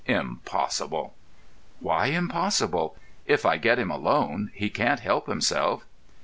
"Impossible." "Why impossible? If I get him alone he can't help himself."